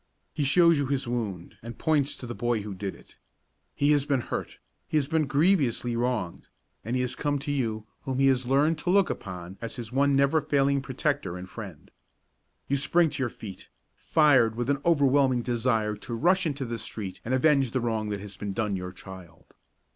He shows you his wound and points to the boy who did it. He has been hurt, he has been grievously wronged, and he has come to you whom he has learned to look upon as his one never failing protector and friend. You spring to your feet, fired with an overwhelming desire to rush into the street and avenge the wrong that has been done your child.